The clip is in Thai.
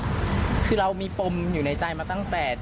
แล้วก็แยกย้ายกันไปเธอก็เลยมาแจ้งความ